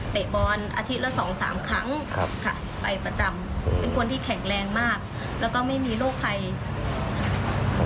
เป็นคนที่แข็งแรงมากวก็ไม่มีโรคไพทย์